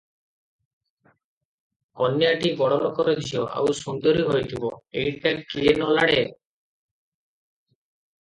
କନ୍ୟାଟି ବଡ଼ ଲୋକର ଝିଅ, ଆଉ ସୁନ୍ଦରୀ ହୋଇଥିବ, ଏଇଟା କିଏ ନ ଲୋଡ଼େ?